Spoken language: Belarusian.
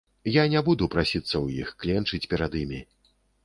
Я не буду прасіцца ў іх, кленчыць перад імі.